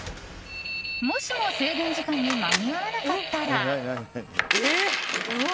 もしも制限時間に間に合わなかったら。